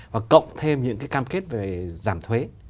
và cộng thêm những cái cam kết về giảm thuế